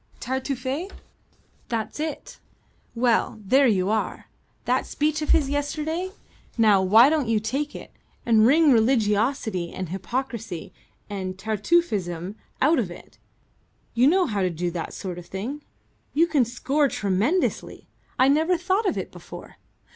"Tartuffe." "That's it. Well, there you are. That speech of his yesterday now why don't you take it and wring religiosity and hypocrisy and Tartuffism out of it? You know how to do that sort of thing. You can score tremendously. I never thought of it before.